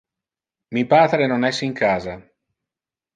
Mi patre non es in casa.